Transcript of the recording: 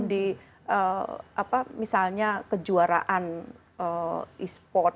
di apa misalnya kejuaraan esport